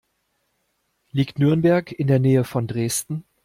Liegt Nürnberg in der Nähe von Dresden?